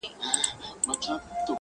خدايه له بـهــاره روانــېــږمه.